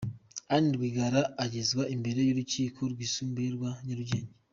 Anne Rwigara agezwa imbere y’urukiko rwisumbuye rwa Nyarugenge.